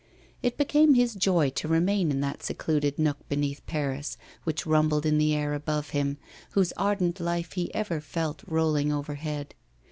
It became his joy to remain in that secluded nook beneath Paris, which rumbled in the air above him, whose ardent life he ever felt rolling overhead.